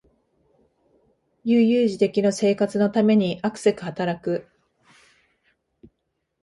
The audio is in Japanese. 悠々自適の生活のためにあくせく働く